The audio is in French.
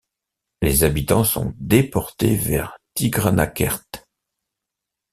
Les habitants sont déportés vers Tigranakert.